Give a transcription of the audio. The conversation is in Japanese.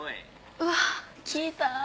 うわ聞いた。